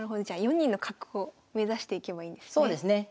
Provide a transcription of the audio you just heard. じゃあ４二の角を目指していけばいいんですね。